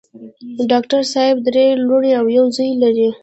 ډاکټر صېب درې لوڼه او يو زوے لري